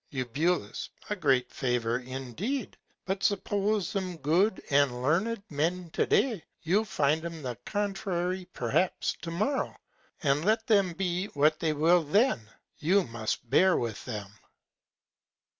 Eu. A great Favour indeed. But suppose 'em good and learned Men to Day, you'll find 'em the contrary perhaps to Morrow; and let them be what they will then, you must bear with them.